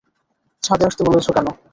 ছাদে আসতে বলেছো কেন?